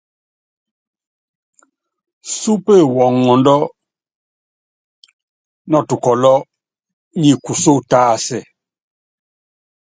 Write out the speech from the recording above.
Súpe wɔŋɔndɔ́ nɔtukɔlɔ́ nyi kusó tásɛ.